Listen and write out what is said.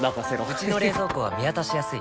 うちの冷蔵庫は見渡しやすい